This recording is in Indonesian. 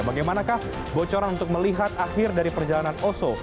bagaimanakah bocoran untuk melihat akhir dari perjalanan oso